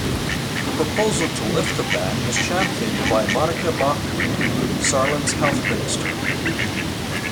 The proposal to lift the ban was championed by Monika Bachmann, Saarland's Health Minister.